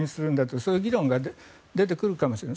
そういう議論が出てくるかもしれない。